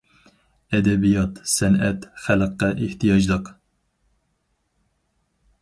ئەدەبىيات- سەنئەت خەلققە ئېھتىياجلىق.